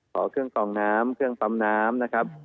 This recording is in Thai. ขอเครื่องกล่องน้ำเครื่องบำน้ำ